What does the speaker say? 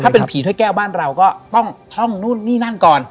ถ้าเป็นผีถ้วยแก้วบ้านเราก็ต้องท่องนู่นนี่นั่นก่อน